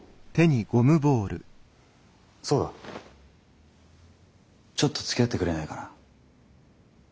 そうだちょっとつきあってくれないかな？